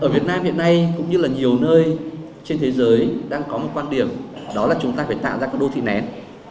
ở việt nam hiện nay cũng như là nhiều nơi trên thế giới đang có một quan điểm đó là chúng ta phải tạo ra các đô thị nén